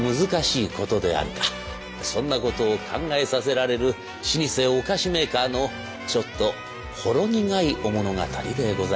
そんなことを考えさせられる老舗お菓子メーカーのちょっとほろ苦いお物語でございました。